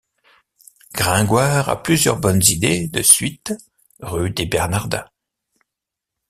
Gringoire a plusieurs bonnes idées de suite rue des Bernardins